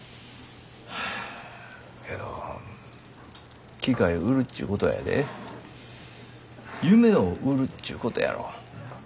けど機械売るっちゅうことはやで夢を売るっちゅうことやろ。